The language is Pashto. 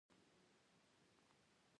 دا په معاصر اسلامي فکر کې ګډوډۍ سبب شو.